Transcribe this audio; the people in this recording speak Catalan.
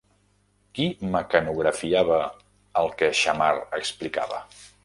Qui mecanografiava el que Xammar explicava?